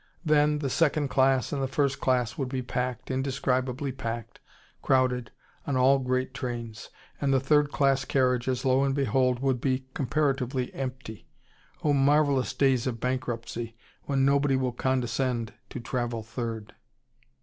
Then, the second class and the first class would be packed, indescribably packed, crowded, on all great trains: and the third class carriages, lo and behold, would be comparatively empty. Oh, marvellous days of bankruptcy, when nobody will condescend to travel third!